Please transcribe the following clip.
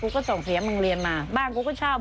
ก็ส่งเสียมึงเรียนมาบ้านกูก็เช่า